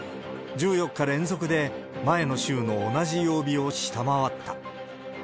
１４日連続で前の週の同じ曜日を下回った。